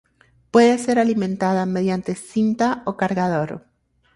Puede ser alimentada mediante cinta o cargador.